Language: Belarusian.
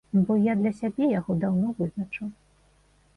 Бо я для сябе яго даўно вызначыў.